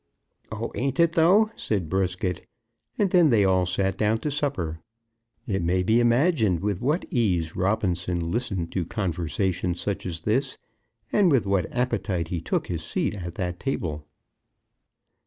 "Oh, ain't it, though," said Brisket. And then they all sat down to supper. It may be imagined with what ease Robinson listened to conversation such as this, and with what appetite he took his seat at that table.